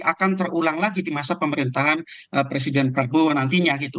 akan terulang lagi di masa pemerintahan presiden prabowo nantinya gitu